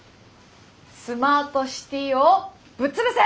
スマートシティをぶっ潰せ！